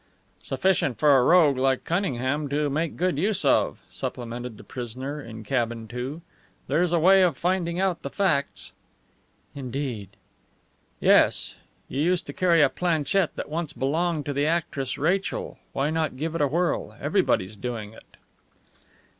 "Sufficient for a rogue like Cunningham to make good use of," supplemented the prisoner in Cabin Two. "There's a way of finding out the facts." "Indeed?" "Yes. You used to carry a planchette that once belonged to the actress Rachel. Why not give it a whirl? Everybody's doing it."